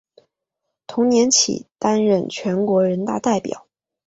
同年起担任全国人大代表。